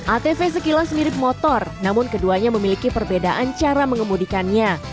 atv sekilas mirip motor namun keduanya memiliki perbedaan cara mengemudikannya